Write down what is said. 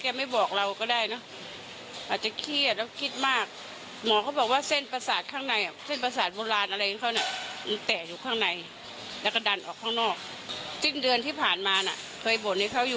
แต่ว่าเพื่อนของผู้เสียชีวิตเขายังติดใจในสาเหตุการเสียชีวิตนะคะด้วยรอยบาดแผลเอย